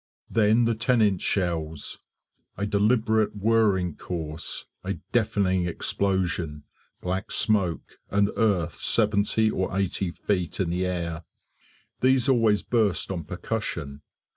Then the 10 inch shells: a deliberate whirring course a deafening explosion black smoke, and earth 70 or 80 feet in the air. These always burst on percussion.